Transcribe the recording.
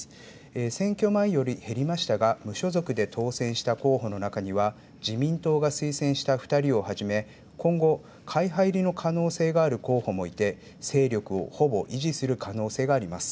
選挙前より減りましたが、無所属で当選した候補の中には自民党が推薦した２人をはじめ今後、会派入りの可能性がある候補もいて、勢力をほぼ維持する可能性があります。